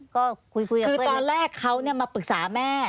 คือตอนแรกเขามาปรึกษาแม่